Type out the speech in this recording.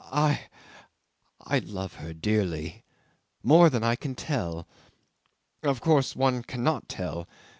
"I I love her dearly. More than I can tell. Of course one cannot tell.